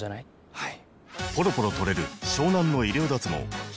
・はい！